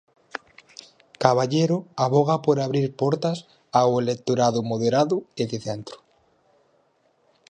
Caballero avoga por abrir portas ao electorado moderado e de centro.